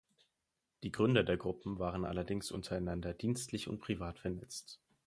Die Gründer der Gruppen waren allerdings untereinander dienstlich und privat vernetzt.